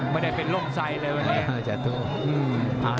ไม่ได้เป็นร่มไซดเลยวันนี้